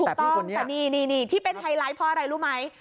ถูกต้องที่เป็นไทยไลน์เพราะอะไรรู้ไหม